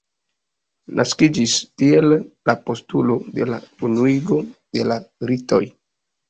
Naskiĝis tiel la postulo de la unuigo de la ritoj.